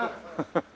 ハハハハ。